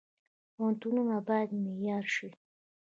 پوهنتونونه باید معیاري شي